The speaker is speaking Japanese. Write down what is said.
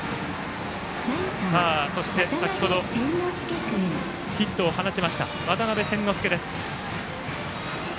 そして先程ヒットを放ちました渡邉千之亮です。